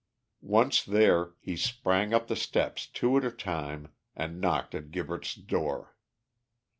Once there, he sprang up the steps two at a time, and knocked at Gibberts' door.